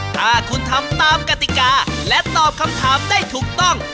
ถ้าคุณทำตามกติกาและตอบคำถามได้ถูกต้อง